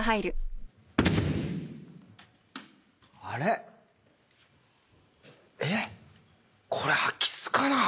あれっ？えっ？